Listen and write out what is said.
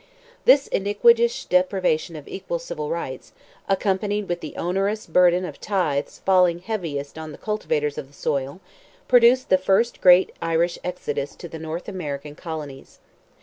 This iniquitous deprivation of equal civil rights, accompanied with the onerous burthen of tithes falling heaviest on the cultivators of the soil, produced the first great Irish exodus to the North American colonies.